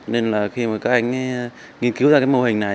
nên là khi mà các anh nghiên cứu ra cái mô hình này